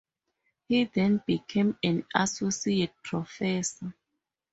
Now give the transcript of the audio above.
He then became an associate professor.